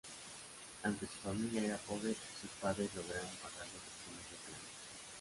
Aunque su familia era pobre, sus padres lograron pagarle lecciones de piano.